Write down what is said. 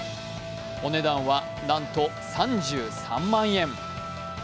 お値段はなんと３３万円。